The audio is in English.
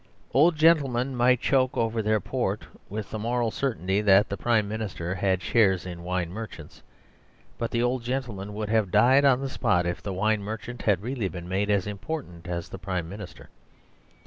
Old gentlemen might choke over their port, with the moral certainty that the Prime Minister had shares in a wine merchant's. But the old gentleman would have died on the spot if the wine merchant had really been made as important as the Prime Minister.